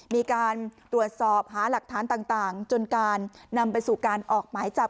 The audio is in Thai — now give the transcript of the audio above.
มีการตรวจสอบหาหลักฐานต่างจนการนำไปสู่การออกหมายจับ